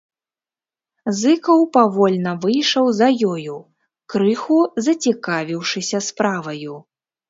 Зыкаў павольна выйшаў за ёю, крыху зацікавіўшыся справаю.